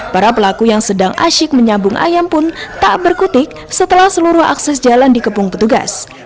para pelaku yang sedang asyik menyambung ayam pun tak berkutik setelah seluruh akses jalan dikepung petugas